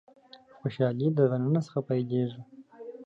خوشالي له د ننه پيلېږي.